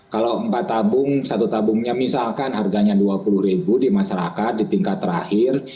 kalau empat tabung satu tabungnya misalkan harganya rp dua puluh di masyarakat di tingkat terakhir